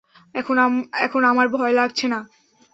এখন আমার ভয় লাগছে না।